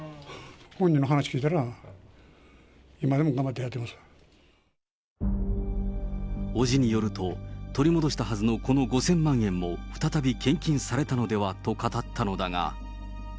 本人の話聞いたら、今でも頑張っ伯父によると、取り戻したはずのこの５０００万円も再び献金されたのではと語ったのだが。